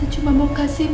tante cuma mau kasih